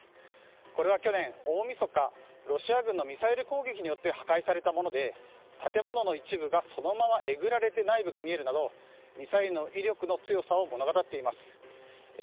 これは去年大みそかロシア軍のミサイル攻撃によって破壊されたもので建物の一部がえぐられて内部が見えるなどミサイルの威力の強さを物語っています。